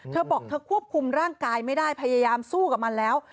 เธอบอกเธอควบคุมร่างกายไม่ได้พยายามสู้กับมันแล้ว